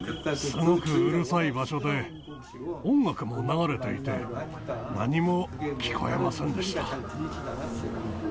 すごくうるさい場所で、音楽も流れていて、何も聞えませんでした。